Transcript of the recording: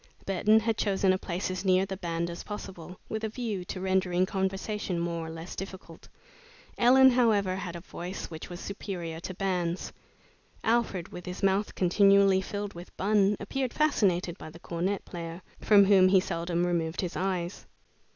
Burton had chosen a place as near the band as possible, with a view to rendering conversation more or less difficult. Ellen, however, had a voice which was superior to bands. Alfred, with his mouth continually filled with bun, appeared fascinated by the cornet player, from whom he seldom removed his eyes.